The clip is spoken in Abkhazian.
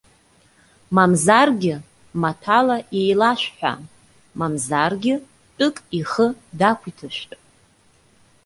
Мамзаргьы, маҭәала иеилашәҳәа, мамзаргьы тәык ихы дақәиҭышәтә.